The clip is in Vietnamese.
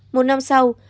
một năm sau